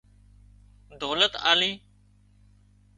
ڌولت آلي